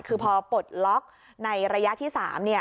คือพอปลดล็อกในระยะที่๓